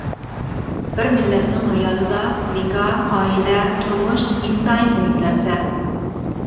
بىر مىللەتنىڭ ھاياتىدا نىكاھ، ئائىلە، تۇرمۇش ئىنتايىن مۇھىم نەرسە.